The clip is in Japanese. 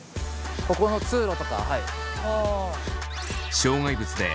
ここの通路とか。